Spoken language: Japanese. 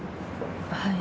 はい。